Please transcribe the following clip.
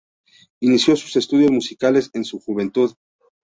Inició sus estudios musicales en su juventud.